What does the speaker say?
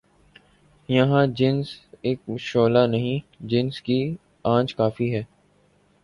یہاں جنس اک شعلہ نہیں، جنس کی آنچ کافی ہے